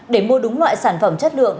để mua đúng loại sản phẩm chất lượng